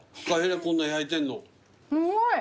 すごい。